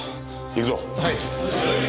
行くぞ！